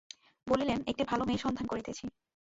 বলিলেন, একটি ভালো মেয়ে সন্ধান করিতেছি।